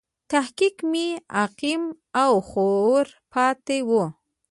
تحقیق مې عقیم او خوار پاتې و.